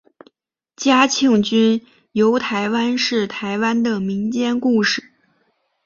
嘉庆君游台湾是台湾的民间故事。